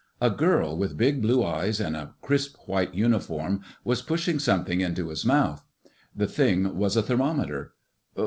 A girl with big, blue eyes and a crisp white uniform, was pushing something into his mouth. The thing was a thermometer.